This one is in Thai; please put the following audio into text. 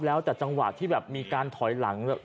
แล้วแต่จังหวะที่แบบมีการถอยหลัง